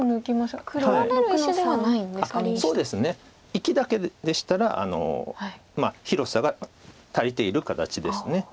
生きだけでしたら広さが足りている形です。